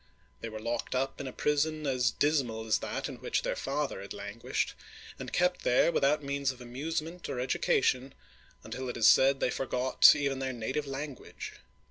They were locked up in a prison as dismal as that in which their father had languished, and kept there without means of amusement or education, until it is said they forgot even their native language